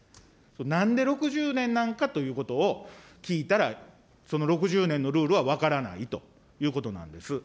なんで６０年なんかということを聞いたら、その６０年のルールは分からないということなんです。